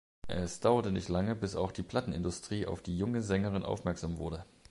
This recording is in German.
Es dauerte nicht lange, bis auch die Plattenindustrie auf die junge Sängerin aufmerksam wurde.